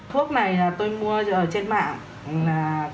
thuốc này tôi mua ở trên mạng